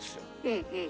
うんうん。